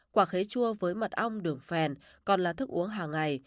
quả khế chua với mật ong đường phèn còn là thức uống hàng ngày